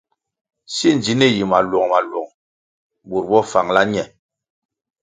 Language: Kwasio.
Si ndzinih yi maluong-maluong bur bo fangala ñe.